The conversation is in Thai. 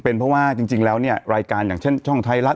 เป็นเพราะว่าจริงแล้วเนี่ยรายการอย่างเช่นช่องไทยรัฐ